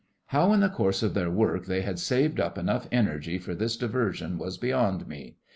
How in the course of their work they had saved up enough energy for this diversion was beyond me.